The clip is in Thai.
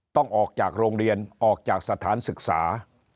ต้องออกจากโรงเรียนออกจากสถานศึกษา